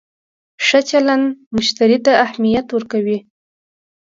ښه چلند مشتری ته اهمیت ورکوي.